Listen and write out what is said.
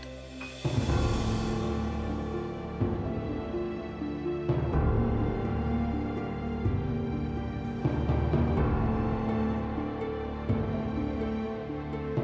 tuhan saya ingin tahu